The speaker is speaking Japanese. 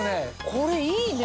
これいいね。